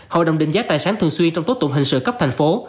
hội đồng định giá tài sản thường xuyên trong tố tụng hình sự cấp thành phố